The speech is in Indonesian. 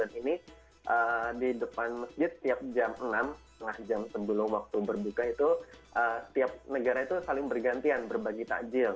misalnya di bulan ramadhan ini di depan masjid setiap jam enam setengah jam sebelum waktu berbuka itu setiap negara itu saling bergantian berbagi takjil